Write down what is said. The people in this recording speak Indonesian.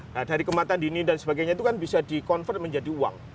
nah dari kematian dini dan sebagainya itu kan bisa di convert menjadi uang